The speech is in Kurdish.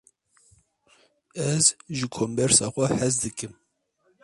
Ez ji kombersa xwe hez dikim.